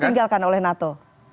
ditinggalkan oleh nato